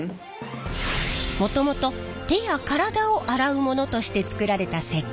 もともと手や体を洗うものとして作られた石けん。